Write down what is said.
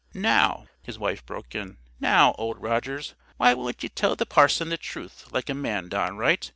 "Now," his wife broke in, "now, Old Rogers, why won't 'ee tell the parson the truth, like a man, downright?